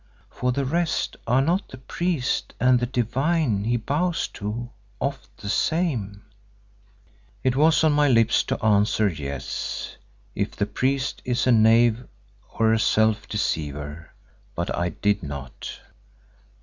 For the rest are not the priest and the Divine he bows to, oft the same?" It was on my lips to answer, Yes, if the priest is a knave or a self deceiver, but I did not.